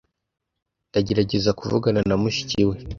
Ndagerageza kuvugana na mushiki we.